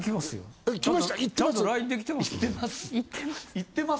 ・いってます？